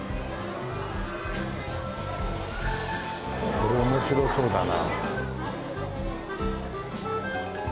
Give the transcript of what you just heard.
これ面白そうだな。